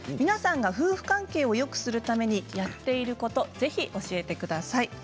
皆さんが夫婦関係をよくするためにやっていることぜひ教えてください。